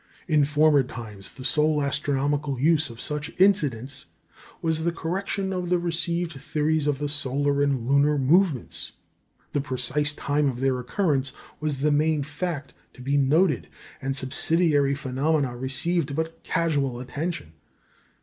In former times, the sole astronomical use of such incidents was the correction of the received theories of the solar and lunar movements; the precise time of their occurrence was the main fact to be noted, and subsidiary phenomena received but casual attention.